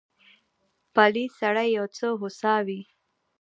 پلی سړی یو څه هوسا وي.